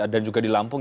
dan juga di lampung